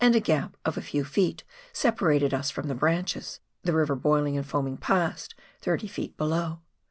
285 a gap of a few feet separated us from the branches, the river boiling and foaming past 30 feet below.